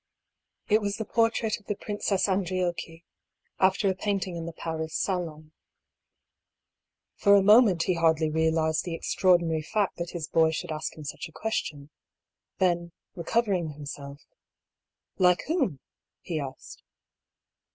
It was the portrait of the Princess Andriocchi, after a painting in the Paris Salon. For a moment he hardly realised the extraordinary fact that his boy should ask him such a question, then recovering himself :" Like whom ?" he asked.